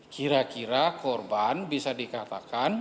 kira kira korban bisa dikatakan